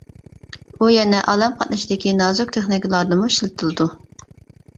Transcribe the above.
ئۇ يەنە ئالەم قاتنىشىدىكى نازۇك تېخنىكىلاردىمۇ ئىشلىتىلىدۇ.